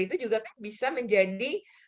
itu juga kan bisa menjadi